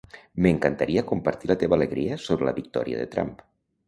M'encantaria compartir la teva alegria sobre la victòria de Trump.